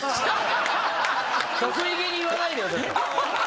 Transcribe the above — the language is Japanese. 得意げに言わないで。